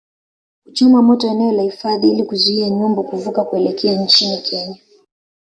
kuchoma moto eneo la hifadhi ili kuzuia nyumbu kuvuka kuelekea nchini Kenya